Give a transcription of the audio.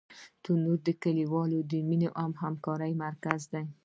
تنور د کلیوالو د مینې او همکارۍ مرکز دی